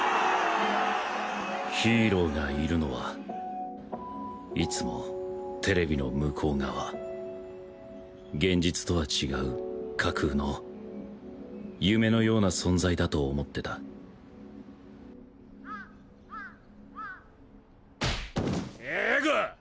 ヒーローがいるのはいつもテレビの向こう側現実とは違う架空の夢のような存在だと思ってた啓悟ォ！